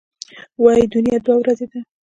وايي دنیا دوه ورځې ده.